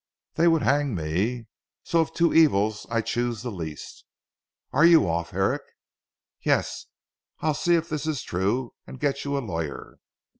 They would hang me, so of two evils I choose the least. Are you off Herrick?" "Yes, I'll see if this is true, and get you a lawyer."